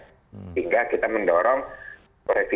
sehingga kita mendorong revisinya untuk berjumlah ganjil